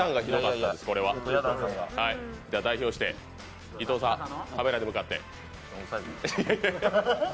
代表して伊藤さんカメラに向かって。